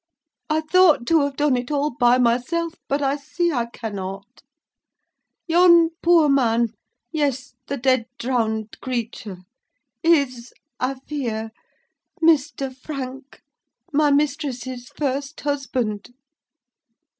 I thought to have done it all by myself, but I see I cannot. Yon poor man—yes! the dead, drowned creature is, I fear, Mr. Frank, my mistress's first husband!"